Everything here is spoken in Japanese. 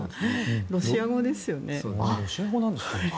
ロシア語ですよね。